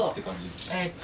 えっと